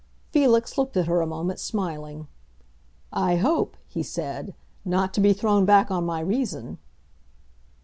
Felix looked at her a moment, smiling. "I hope," he said, "not to be thrown back on my reason."